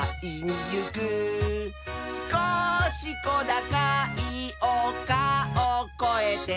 「すこしこだかいおかをこえて」